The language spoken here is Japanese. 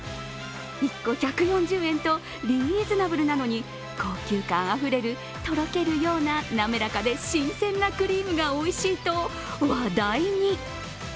１個１４０円とリーズナブルなのに高級感あふれる、とろけるような滑らかで新鮮なクリームがおいしいと話題に。